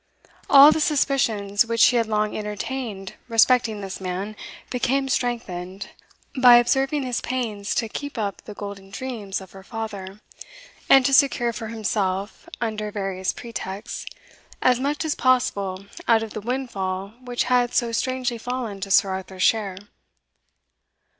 All the suspicions which she had long entertained respecting this man became strengthened, by observing his pains to keep up the golden dreams of her father, and to secure for himself, under various pretexts, as much as possible out of the windfall which had so strangely fallen to Sir Arthur's share.